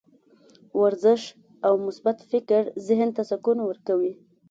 ورزش او مثبت فکر ذهن ته سکون ورکوي.